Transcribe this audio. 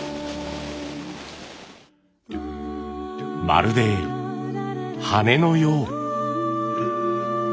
まるで羽のよう。